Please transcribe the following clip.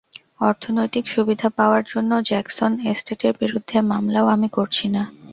অর্থনৈতিক সুবিধা পাওয়ার জন্য জ্যাকসন এস্টেটের বিরুদ্ধে মামলাও আমি করছি না।